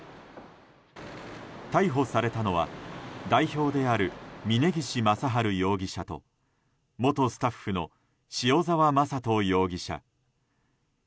逮捕されたのは代表である峯岸正治容疑者と元スタッフの塩澤正人容疑者。